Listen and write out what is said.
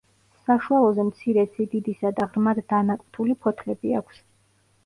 საშუალოზე მცირე სიდიდისა და ღრმად დანაკვთული ფოთლები აქვს.